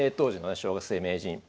小学生名人